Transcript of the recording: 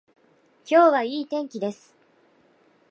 今日はいい天気です